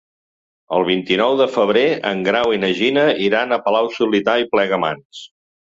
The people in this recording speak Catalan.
El vint-i-nou de febrer en Grau i na Gina iran a Palau-solità i Plegamans.